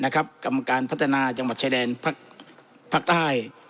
กรรมการพัฒนาจังหวัดชายแดนภาคใต้